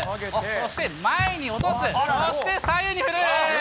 そして、前に落とす、そして左右に振る。